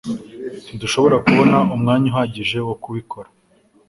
Ntidushobora kubona umwanya uhagije wo kubikora